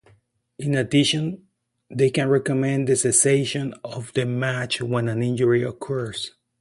In addition, they can recommend the cessation of the match when an injury occurs.